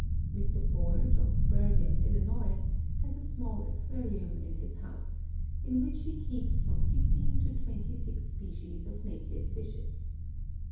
Mr. Ford, of Berwyn, Illinois, has a small aquarium, in his house, in which he keeps from fifteen to twenty six species of native fishes.